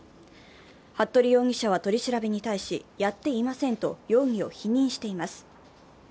服部容疑者は取り調べに対し、やっていませんと容疑を否認しています。